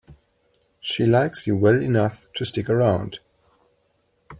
She likes you well enough to stick around.